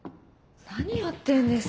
何やってんですか。